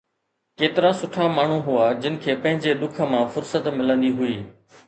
ڪيترا سٺا ماڻهو هئا جن کي پنهنجي ڏک مان فرصت ملندي هئي